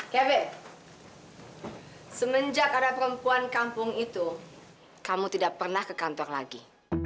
hepek semenjak ada perempuan kampung itu kamu tidak pernah ke kantor lagi